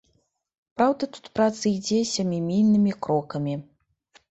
Праўда, тут праца ідзе сямімільнымі крокамі.